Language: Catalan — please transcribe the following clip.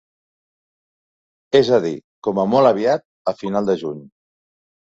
És a dir, com a molt aviat, a final de juny.